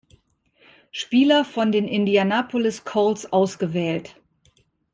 Spieler von den Indianapolis Colts ausgewählt.